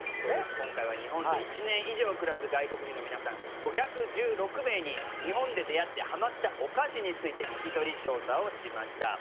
今回は日本で１年以上暮らす外国人の皆さん５１６名に日本で出会ってハマったお菓子について聞き取り調査をしました。